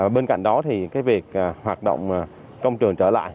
bên cạnh đó thì cái việc hoạt động công trường trở lại